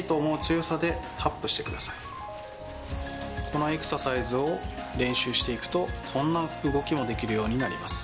このエクササイズを練習していくとこんな動きもできるようになります。